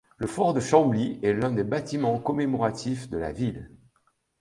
Le fort de Chambly est l'un des bâtiments commémoratifs de la ville.